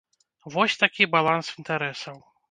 Вось такі баланс інтарэсаў.